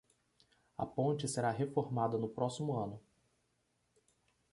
A ponte será reformada no próximo ano